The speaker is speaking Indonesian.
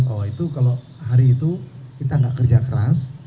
oh itu kalau hari itu kita nggak kerja keras